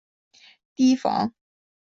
提防